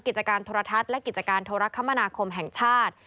กิจการโทรทัศน์และกิจการโทรคมนาคมแห่งชาติ